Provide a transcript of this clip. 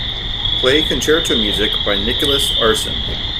Play concerto music by Nicholaus Arson.